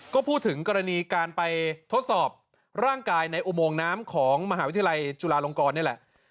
ก็พูดถึงกรณีการไปทดสอบร่างกายในอุโมงน้ำของมหาวิทยาลัยจุฬาลงกรนี่แหละ